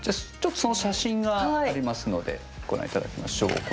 ちょっとその写真がありますのでご覧いただきましょう。